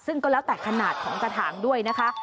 ซึ่งก็แล้วแต่ขนาดของกระถางด้วยนะคะ